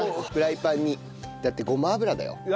フライパンにだってごま油だよ。